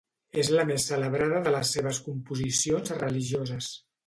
És la més celebrada de les seves composicions religioses.